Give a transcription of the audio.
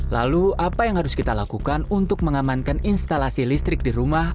lalu apa yang harus kita lakukan untuk mengamankan instalasi listrik di rumah